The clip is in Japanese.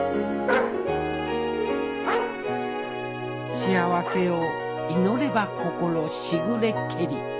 「幸せを祈れば心時雨けり」。